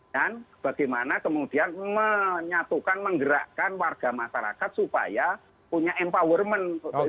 dan bagaimana kemudian menyatukan menggerakkan warga masyarakat supaya punya empowerment